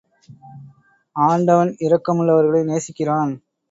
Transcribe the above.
ஆண்டவன் இரக்கமுள்ளவர்களை நேசிக்கிறான்.